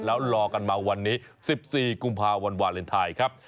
แล้วรอกันมาวันนี้๑๔กุมภาวันวาเลนไทยครับ